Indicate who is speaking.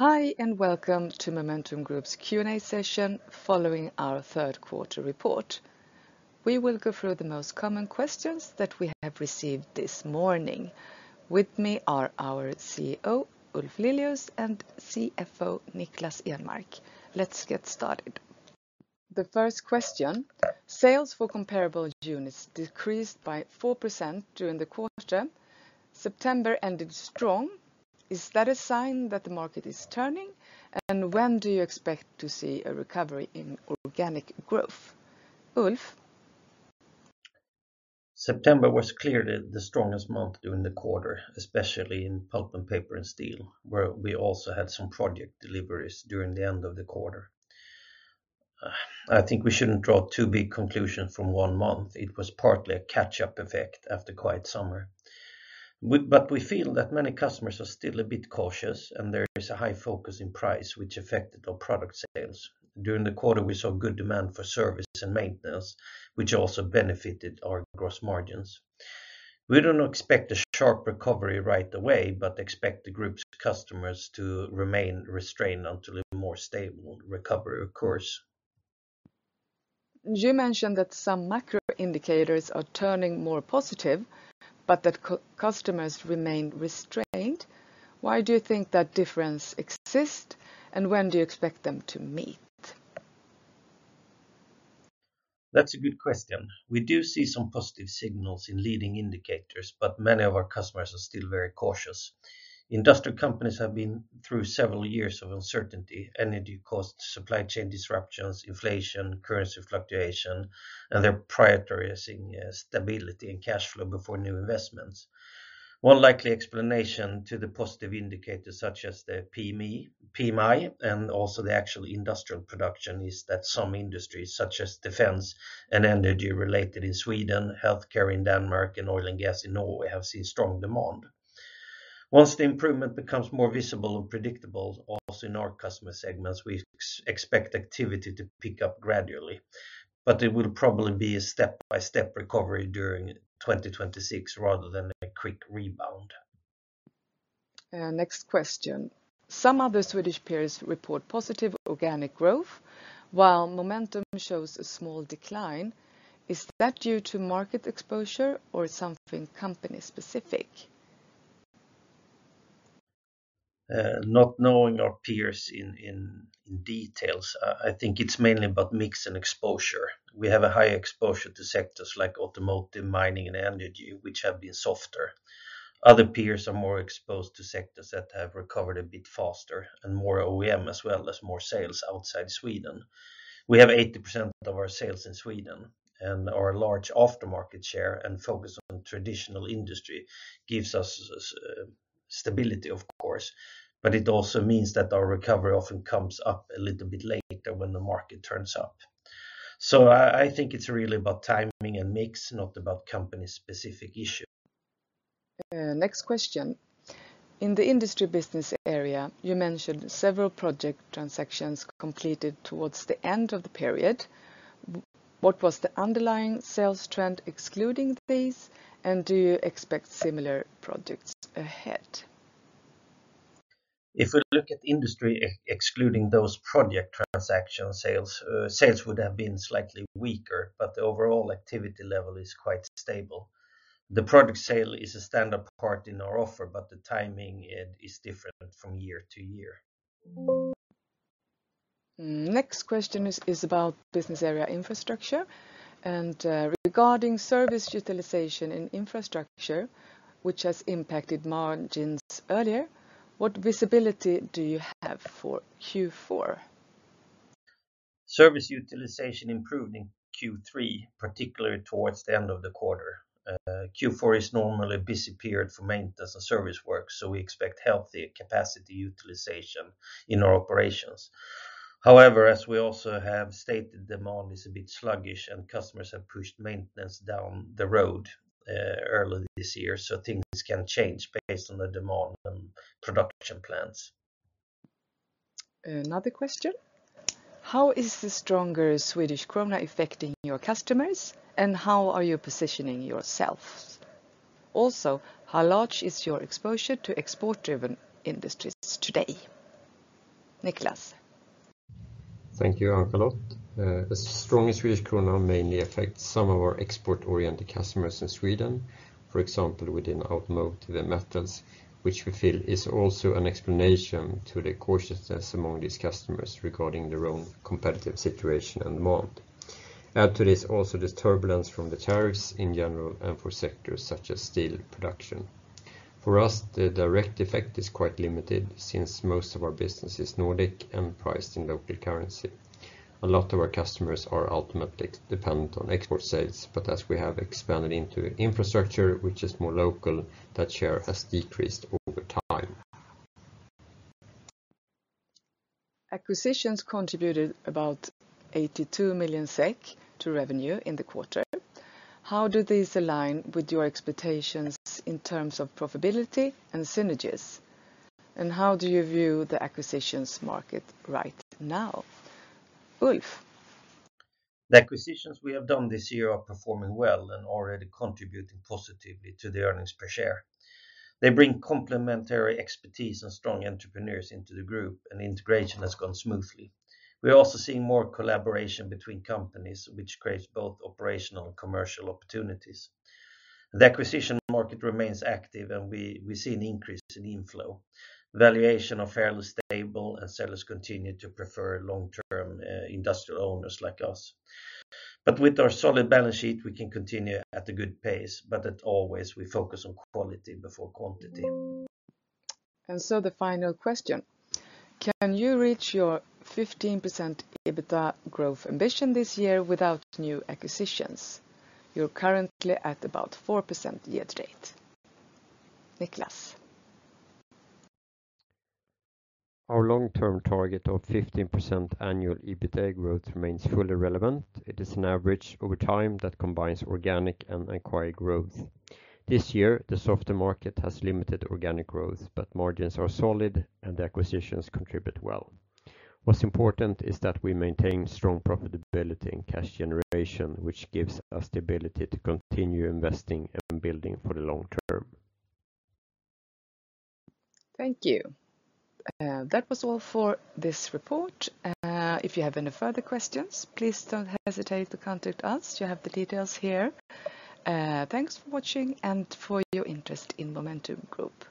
Speaker 1: Hi, welcome to Momentum Group's Q&A session, following our third quarter report. We will go through the most common questions that we have received this morning. With me are our CEO, Ulf Lilius, and CFO, Niklas Enmark. Let's get started. The first question. Sales for comparable units decreased by 4% during the quarter. September ended strong. Is that a sign that the market is turning? When do you expect to see a recovery in organic growth? Ulf?
Speaker 2: September was clearly the strongest month during the quarter, especially in pulp and paper and steel, where we also had some project deliveries during the end of the quarter. I think we shouldn't draw too big conclusion from one month. It was partly a catch-up effect after a quiet summer. We feel that many customers are still a bit cautious, there is a high focus on price, which affected our product sales. During the quarter, we saw good demand for service and maintenance, which also benefited our gross margins. We do not expect a sharp recovery right away, but expect the group's customers to remain restrained until a more stable recovery occurs.
Speaker 1: You mentioned that some macro indicators are turning more positive, that customers remain restrained. Why do you think that difference exists, when do you expect them to meet?
Speaker 2: That's a good question. We do see some positive signals in leading indicators, many of our customers are still very cautious. Industrial companies have been through several years of uncertainty, energy cost, supply chain disruptions, inflation, currency fluctuation, they're prioritizing stability and cash flow before new investments. One likely explanation to the positive indicators such as the PMI and also the actual industrial production, is that some industries, such as defense and energy related in Sweden, healthcare in Denmark, and oil and gas in Norway, have seen strong demand. Once the improvement becomes more visible and predictable also in our customer segments, we expect activity to pick up gradually. It will probably be a step-by-step recovery during 2026, rather than a quick rebound.
Speaker 1: Next question. Some other Swedish peers report positive organic growth, while Momentum shows a small decline. Is that due to market exposure or something company specific?
Speaker 2: Not knowing our peers in details, I think it's mainly about mix and exposure. We have a high exposure to sectors like automotive, mining, and energy, which have been softer. Other peers are more exposed to sectors that have recovered a bit faster, and more OEM, as well as more sales outside Sweden. We have 80% of our sales in Sweden, and our large aftermarket share and focus on traditional industry gives us stability, of course, but it also means that our recovery often comes up a little bit later when the market turns up. I think it's really about timing and mix, not about company specific issue.
Speaker 1: Next question. In the industry business area, you mentioned several project transactions completed towards the end of the period. What was the underlying sales trend excluding these, and do you expect similar projects ahead?
Speaker 2: If we look at industry, excluding those project transaction sales would have been slightly weaker, the overall activity level is quite stable. The project sale is a standard part in our offer, the timing is different from year to year.
Speaker 1: Next question is about business area infrastructure and regarding service utilization in infrastructure, which has impacted margins earlier. What visibility do you have for Q4?
Speaker 2: Service utilization improved in Q3, particularly towards the end of the quarter. Q4 is normally a busy period for maintenance and service work, we expect healthy capacity utilization in our operations. However, as we also have stated, demand is a bit sluggish and customers have pushed maintenance down the road early this year, things can change based on the demand and production plans.
Speaker 1: Another question. How is the stronger Swedish krona affecting your customers, and how are you positioning yourself? Also, how large is your exposure to export-driven industries today? Niklas?
Speaker 3: Thank you, Ann Charlotte. A strong Swedish krona mainly affects some of our export-oriented customers in Sweden. For example, within automotive and metals, which we feel is also an explanation to the cautiousness among these customers regarding their own competitive situation and demand. Add to this also the turbulence from the tariffs in general and for sectors such as steel production. For us, the direct effect is quite limited since most of our business is Nordic and priced in local currency. A lot of our customers are ultimately dependent on export sales, as we have expanded into infrastructure, which is more local, that share has decreased over time.
Speaker 1: Acquisitions contributed about 82 million SEK to revenue in the quarter. How do these align with your expectations in terms of profitability and synergies? How do you view the acquisitions market right now? Ulf?
Speaker 2: The acquisitions we have done this year are performing well and already contributing positively to the earnings per share. They bring complementary expertise and strong entrepreneurs into the group, and integration has gone smoothly. We are also seeing more collaboration between companies, which creates both operational and commercial opportunities. The acquisition market remains active. We see an increase in inflow. Valuations are fairly stable, and sellers continue to prefer long-term industrial owners like us. With our solid balance sheet, we can continue at a good pace, as always, we focus on quality before quantity.
Speaker 1: The final question. Can you reach your 15% EBITA growth ambition this year without new acquisitions? You're currently at about 4% year-to-date. Niklas?
Speaker 3: Our long-term target of 15% annual EBITA growth remains fully relevant. It is an average over time that combines organic and acquired growth. This year, the softer market has limited organic growth, but margins are solid, and the acquisitions contribute well. What's important is that we maintain strong profitability and cash generation, which gives us the ability to continue investing and building for the long term.
Speaker 1: Thank you. That was all for this report. If you have any further questions, please don't hesitate to contact us. You have the details here. Thanks for watching and for your interest in Momentum Group.